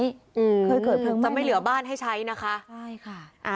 เคยเกิดพร้อมมากนะครับใช่ค่ะจะไม่เหลือบ้านให้ใช้นะคะ